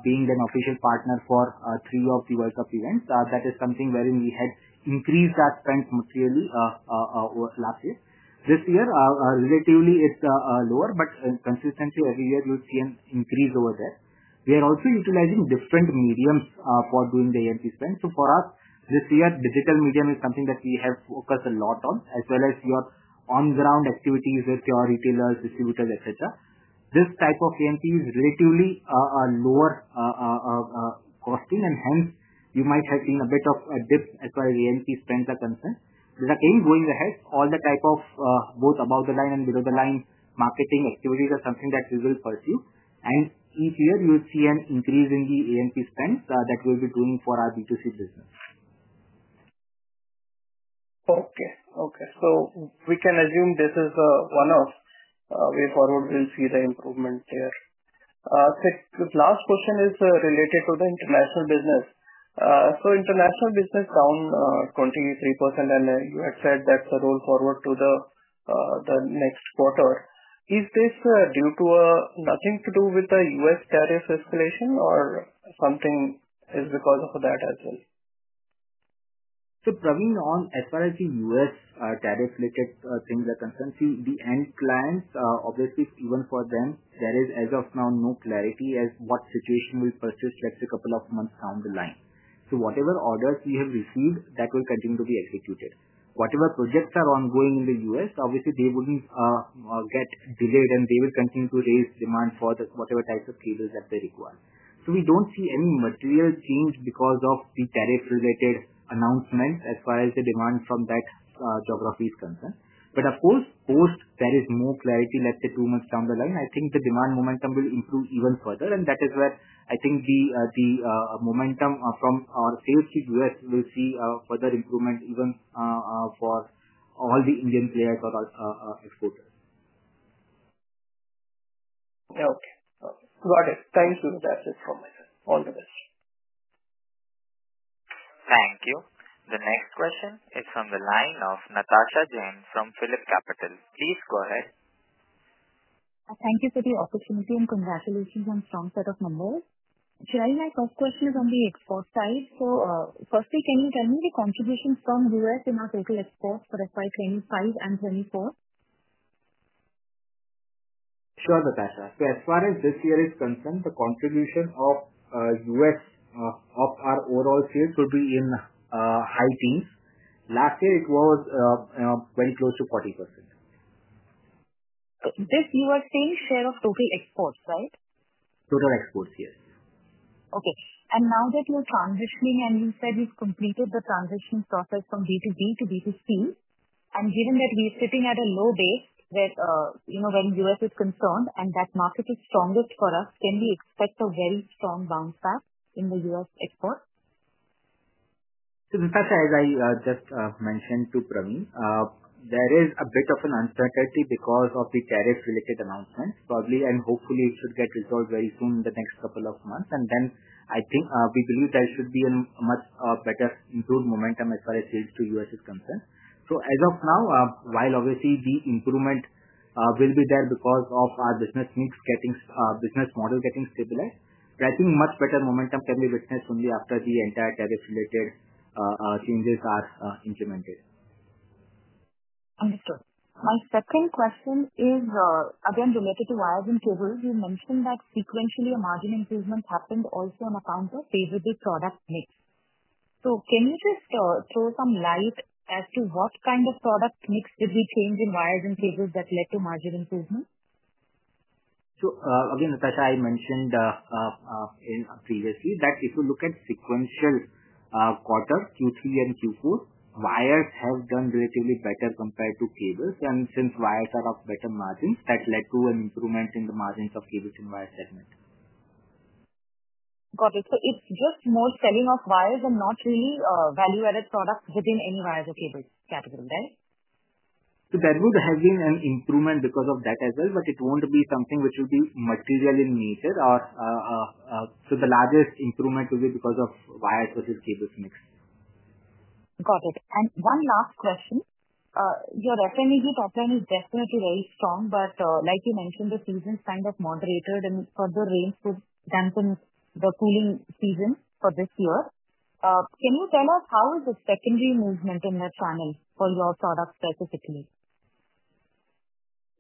being an official partner for three of the workshop events. That is something wherein we had increased our spend materially last year. This year, relatively, it's lower, but consistently every year you'll see an increase over there. We are also utilizing different mediums for doing the E&P spend. For us, this year, digital medium is something that we have focused a lot on, as well as your on-ground activities with your retailers, distributors, etc. This type of E&P is relatively lower costing, and hence you might have seen a bit of a dip as far as P spend are concerned. Again, going ahead, all the type of both above the line and below the line marketing activities are something that we will pursue, and each year you'll see an increase in the EMP spend that we'll be doing for our B2C business. Okay. Okay. We can assume this is one way forward we'll see the improvement there. The last question is related to the international business. International business down 23%, and you had said that's the roll forward to the next quarter. Is this due to nothing to do with the U.S. tariff escalation, or something is because of that as well? Praveen, as far as the US tariff-related things are concerned, see, the end clients, obviously, even for them, there is as of now no clarity as to what situation will persist the next couple of months down the line. Whatever orders we have received, that will continue to be executed. Whatever projects are ongoing in the U.S., obviously, they would not get delayed, and they will continue to raise demand for whatever types of cables that they require. We do not see any material change because of the tariff-related announcements as far as the demand from that geography is concerned. Of course, post, there is more clarity, let's say, two months down the line, I think the demand momentum will improve even further, and t hat is where I think the momentum from our sales to US will see further improvement even for all the Indian players or exporters. Okay. Got it. Thank you. That is it from my side. All the best. Thank you. The next question is from the line of Natasha Jain from PhilipCapital. Please go ahead. Thank you for the opportunity and congratulations on a strong set of numbers. Chirayu, my first question is on the export side. Firstly, can you tell me the contributions from U.S. in our total exports for FY 2025 and FY 2024? Sure, Natasha. As far as this year is concerned, the contribution of U.S. of our overall sales will be in high teens. Last year, it was very close to 40%. This you are saying share of total exports, right? Total exports, yes. Okay. Now that you're transitioning and you said you've completed the transition process from B2B to B2C, and given that we're sitting at a low base when U.S. is concerned and that market is strongest for us, can we expect a very strong bounce back in the U.S. exports? Natasha, as I just mentioned to Praveen, there is a bit of an uncertainty because of the tariff-related announcements. Probably, and hopefully, it should get resolved very soon in the next couple of months, and then I think we believe there should be a much better improved momentum as far as sales to U.S. is concerned. As of now, while obviously the improvement will be there because of our business mix getting our business model getting stabilized, I think much better momentum can be witnessed only after the entire tariff-related changes are implemented. Understood. My second question is, again, related to wires and cables, you mentioned that sequentially a margin improvement happened also on account of favorable product mix. Can you just throw some light as to what kind of product mix did we change in wires and cables that led to margin improvement? Again, Natasha, I mentioned previously that if you look at sequential quarter, Q3 and Q4, wires have done relatively better compared to cables, and since wires are of better margins, that led to an improvement in the margins of cables and wires segment. Got it. It is just more selling of wires and not really value-added products within any wires or cables category, right? There would have been an improvement because of that as well, but it will not be something which will be materially metered, or so the largest improvement will be because of wires versus cables mix. Got it. One last question. Your FMEG top line is definitely very strong, but like you mentioned, the season has kind of moderated, and further rains could dampen the cooling season for this year. Can you tell us how is the secondary movement in the channel for your product specifically?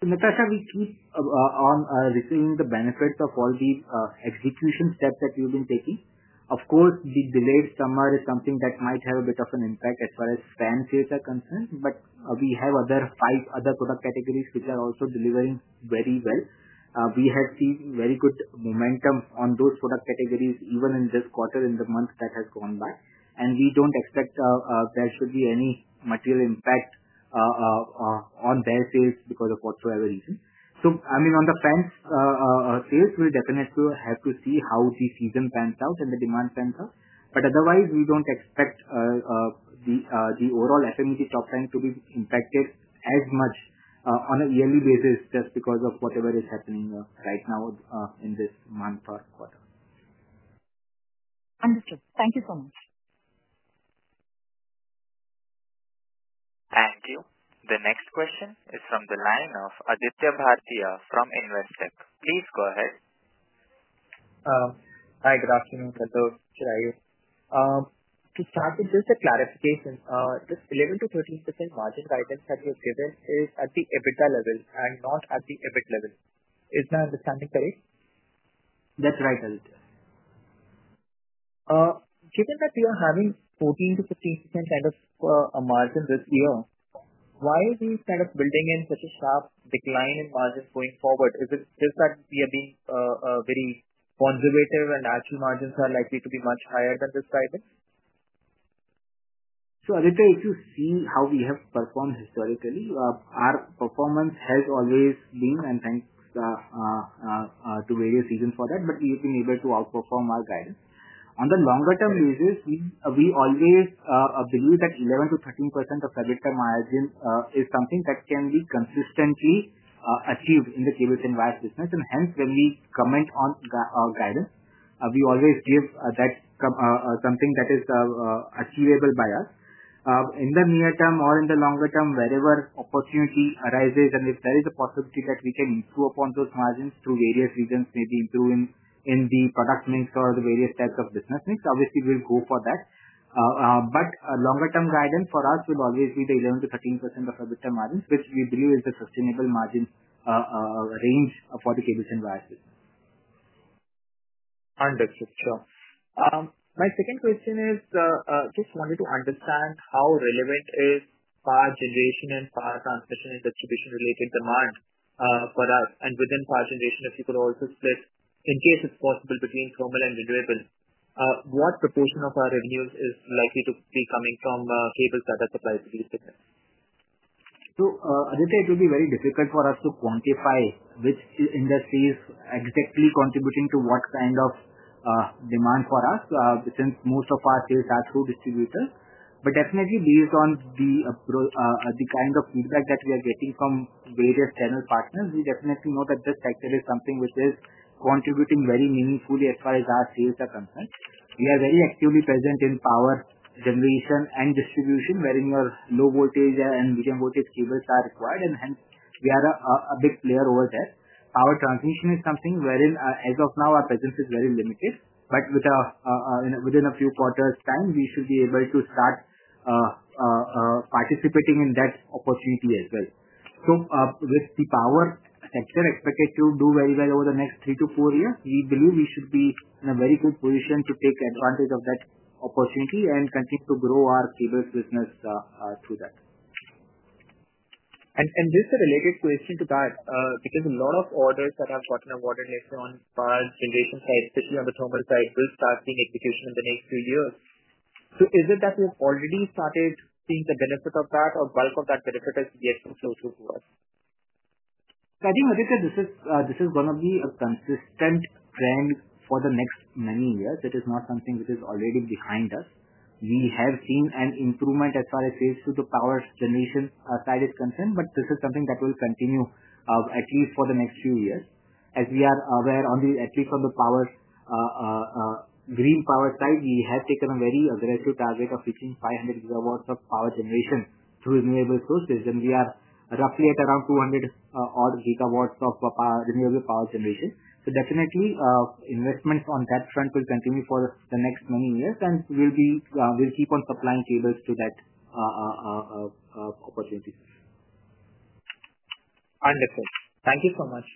Natasha, we keep on receiving the benefits of all the execution steps that we've been taking. Of course, the delayed summer is something that might have a bit of an impact as far as fan sales are concerned, but we have five other product categories which are also delivering very well. We have seen very good momentum on those product categories even in this quarter, in the month that has gone by, and we don't expect there should be any material impact on their sales because of whatsoever reason. I mean, on the fan sales, we'll definitely have to see how the season pans out and the demand pans out, but otherwise, we don't expect the overall FMEG top line to be impacted as much on a yearly basis just because of whatever is happening right now in this month or quarter. Understood. Thank you so much. Thank you. The next question is from the line of Aditya Bharatiya from Investec. Please go ahead. Hi. Good afternoon, Pranav. Chirayu. To start with, just a clarification. This 11%-13% margin guidance that you have given is at the EBITDA level and not at the EBIT level. Is my understanding correct? That's right, Aditya. Given that we are having 14%-15% kind of a margin this year, why are we kind of building in such a sharp decline in margins going forward? Is it just that we are being very conservative and actual margins are likely to be much higher than this guidance? Aditya, if you see how we have performed historically, our performance has always been, and thanks to various reasons for that, but we've been able to outperform our guidance. On the longer-term basis, we always believe that 11%-13% of EBITDA margin is something that can be consistently achieved in the cables and wires business, and hence when we comment on guidance, we always give that something that is achievable by us. In the near term or in the longer term, wherever opportunity arises, and if there is a possibility that we can improve upon those margins through various reasons, maybe improving in the product mix or the various types of business mix, obviously, we'll go for that. Longer-term guidance for us will always be the 11%-13% of EBITDA margins, which we believe is the sustainable margin range for the cables and wires business. Understood. Sure. My second question is just wanted to understand how relevant is power generation and power transmission and distribution-related demand for us, and within power generation, if you could also split, in case it's possible, between thermal and renewable, what proportion of our revenues is likely to be coming from cables that are supplied to these businesses? Aditya, it will be very difficult for us to quantify which industries exactly are contributing to what kind of demand for us since most of our sales are through distributors. Definitely, based on the kind of feedback that we are getting from various channel partners, we definitely know that this sector is something which is contributing very meaningfully as far as our sales are concerned. We are very actively present in power generation and distribution, wherein your low voltage and medium voltage cables are required, and hence we are a big player over there. Power transmission is something wherein, as of now, our presence is very limited, but within a few quarters' time, we should be able to start participating in that opportunity as well. With the power sector expected to do very well over the next three to four years, we believe we should be in a very good position to take advantage of that opportunity and continue to grow our cables business through that. This is a related question to that because a lot of orders that have gotten awarded later on power generation side, especially on the thermal side, will start seeing execution in the next few years. Is it that we have already started seeing the benefit of that, or bulk of that benefit has yet to flow through to us? I think, Aditya, this is going to be a consistent trend for the next many years. It is not something which is already behind us. We have seen an improvement as far as sales to the power generation side is concerned, but this is something that will continue at least for the next few years. As we are aware, at least on the green power side, we have taken a very aggressive target of reaching 500 GW of power generation through renewable sources, and we are roughly at around 200 odd GW of renewable power generation. Definitely, investments on that front will continue for the next many years, and we'll keep on supplying cables to that opportunity. Understood. Thank you so much.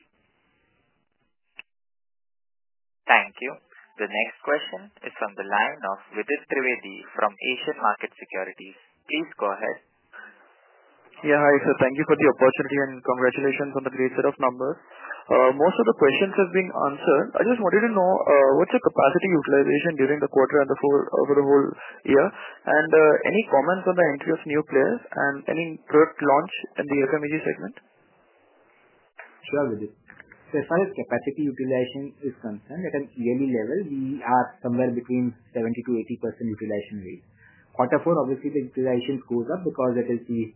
Thank you. The next question is from the line of Vidit Trivedi from Asian Market Securities. Please go ahead. Yeah. Hi. Thank you for the opportunity, and congratulations on the great set of numbers. Most of the questions have been answered. I just wanted to know what's your capacity utilization during the quarter and for the whole year, and any comments on the entry of new players and any product launch in the FMEG segment? Sure, Vidit. As far as capacity utilization is concerned, at a yearly level, we are somewhere between 70%-80% utilization rate. Quarter four, obviously, the utilization goes up because that is the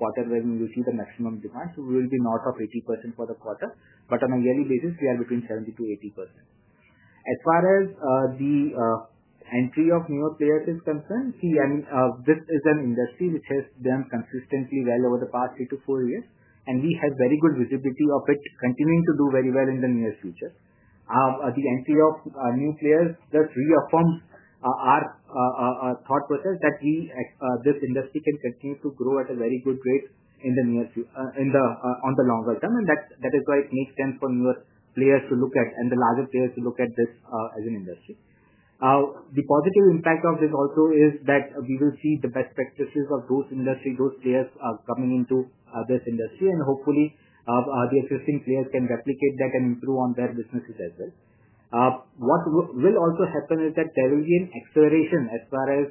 quarter when we will see the maximum demand, so we will be north of 80% for the quarter, but on a yearly basis, we are between 70%-80%. As far as the entry of newer players is concerned, see, I mean, this is an industry which has done consistently well over the past three to four years, and we have very good visibility of it continuing to do very well in the near future. The entry of new players just reaffirms our thought process that this industry can continue to grow at a very good rate in the near future on the longer term, and that is why it makes sense for newer players to look at, and the larger players to look at this as an industry. The positive impact of this also is that we will see the best practices of those industries, those players coming into this industry, and hopefully, the existing players can replicate that and improve on their businesses as well. What will also happen is that there will be an acceleration as far as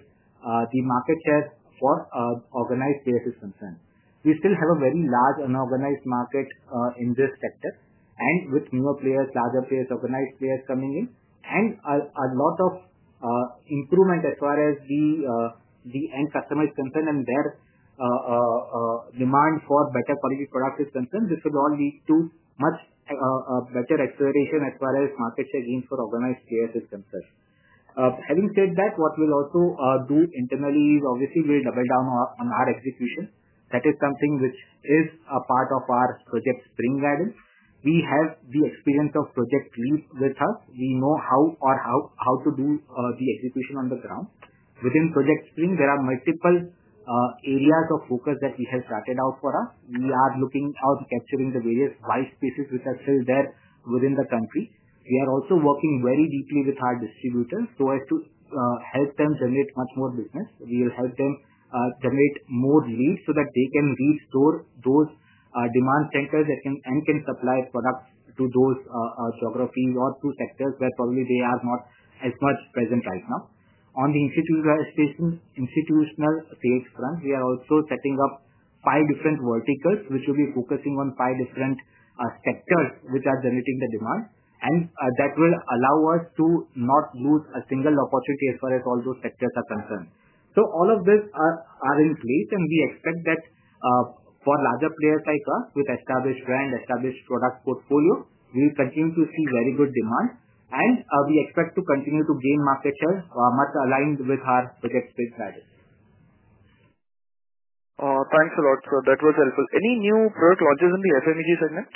the market share for organized players is concerned. We still have a very large unorganized market in this sector, and with newer players, larger players, organized players coming in, and a lot of improvement as far as the end customer is concerned and their demand for better quality products is concerned, this will all lead to much better acceleration as far as market share gains for organized players is concerned. Having said that, what we will also do internally is, obviously, we will double down on our execution. That is something which is a part of our Project Spring guidance. We have the experience of Project LEAP with us. We know how to do the execution on the ground. Within Project Spring, there are multiple areas of focus that we have started out for us. We are looking out, capturing the various white spaces which are still there within the country. We are also working very deeply with our distributors so as to help them generate much more business. We will help them generate more leads so that they can restore those demand centers and can supply products to those geographies or to sectors where probably they are not as much present right now. On the institutional sales front, we are also setting up five different verticals which will be focusing on five different sectors which are generating the demand, and that will allow us to not lose a single opportunity as far as all those sectors are concerned. All of these are in place, and we expect that for larger players like us with established brand, established product portfolio, we will continue to see very good demand, and we expect to continue to gain market share much aligned with our Project Spring guidance. Thanks a lot. That was helpful. Any new product launches in the FMEG segment?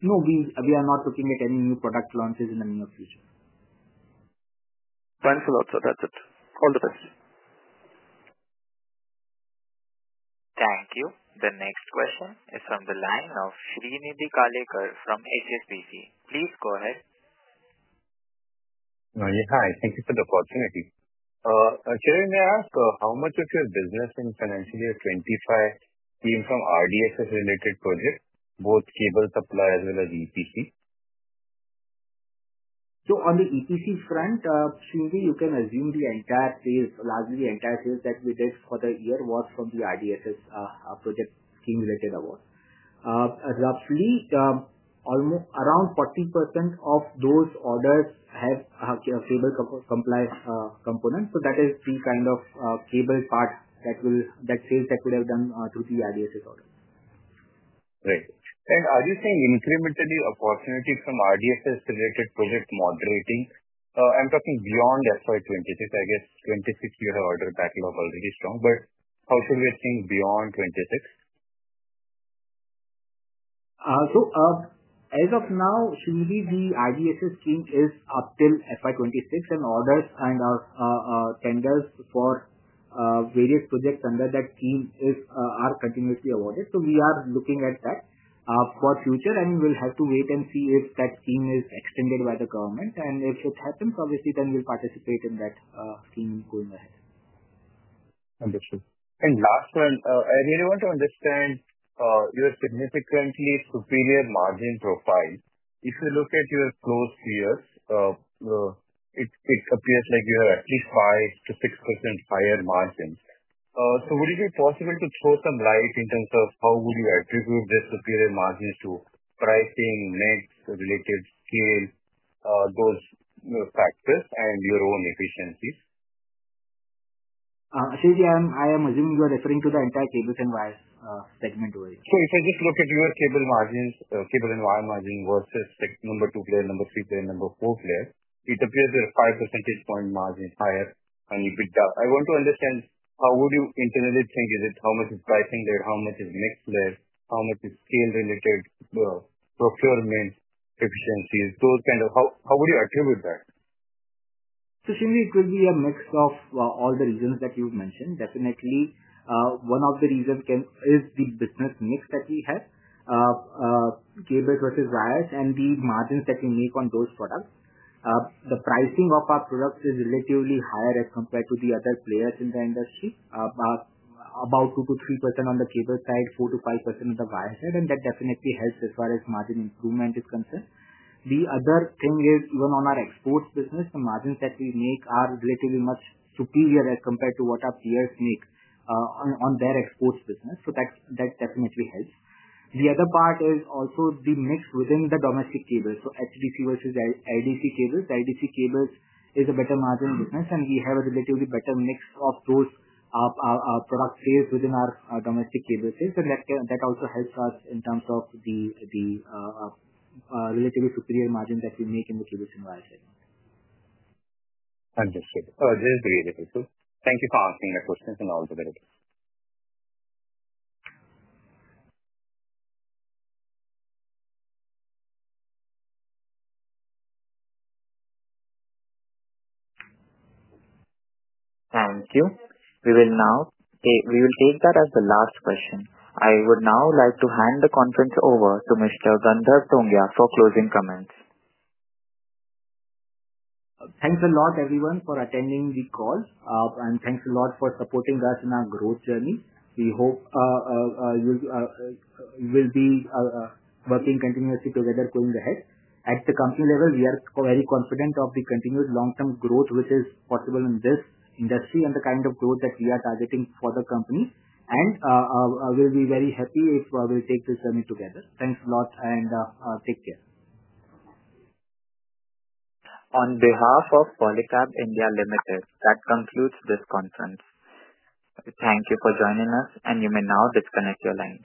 No, we are not looking at any new product launches in the near future. Thanks a lot. That is it. All the best. Thank you. The next question is from the line of Shrinidhi Karlekar from HSBC. Please go ahead. Hi. Thank you for the opportunity. Chirayu, may I ask how much of your business in financial year 2025 came from RDSS-related projects, both cable supply as well as EPC? On the EPC front, surely you can assume the entire sales, largely the entire sales that we did for the year was from the RDSS project scheme-related awards. Roughly around 40% of those orders have cable compliance components, so that is the kind of cable part that sales that we have done through the RDSS orders. Great. Are you seeing incrementally opportunities from RDSS-related project moderating? I'm talking beyond FY 2026. I guess 2026-year order backlog is already strong, but how should we think beyond 2026? As of now, surely the RDSS scheme is up till FY 2026, and orders and our tenders for various projects under that scheme are continuously awarded. We are looking at that for future, and we'll have to wait and see if that scheme is extended by the government. If it happens, obviously, then we'll participate in that scheme going ahead. Understood. Last one, I really want to understand your significantly superior margin profile. If you look at your close peers, it appears like you have at least 5-6% higher margins. Would it be possible to throw some light in terms of how you would attribute these superior margins to pricing, net-related scale, those factors, and your own efficiencies? Actually, I am assuming you are referring to the entire cables and wires segment. If I just look at your cable margins, cable and wire margin versus number two player, number three player, number four player, it appears you have 5 percentage point margins higher on EBITDA. I want to understand how would you internally think? Is it how much is pricing there, how much is mixed there, how much is scale-related procurement efficiencies, those kind of how would you attribute that? Surely it will be a mix of all the reasons that you've mentioned. Definitely, one of the reasons is the business mix that we have, cable versus wires, and the margins that we make on those products. The pricing of our products is relatively higher as compared to the other players in the industry, about 2-3% on the cable side, 4-5% on the wire side, and that definitely helps as far as margin improvement is concerned. The other thing is, even on our exports business, the margins that we make are relatively much superior as compared to what our peers make on their exports business, so that definitely helps. The other part is also the mix within the domestic cables. So HDC versus LDC cables, LDC cables is a better margin business, and we have a relatively better mix of those product sales within our domestic cable sales, and that also helps us in terms of the relatively superior margins that we make in the cables and wires segment. Understood. This is very helpful. Thank you for asking the questions and all the very good. Thank you. We will now take that as the last question. I would now like to hand the conference over to Mr. Gandharv Tongia for closing comments. Thanks a lot, everyone, for attending the call, and thanks a lot for supporting us in our growth journey. We hope you will be working continuously together going ahead. At the company level, we are very confident of the continued long-term growth which is possible in this industry and the kind of growth that we are targeting for the company, and we will be very happy if we take this journey together. Thanks a lot, and take care. On behalf of Polycab India Limited, that concludes this conference. Thank you for joining us, and you may now disconnect your line.